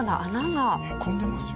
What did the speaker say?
へこんでますよ。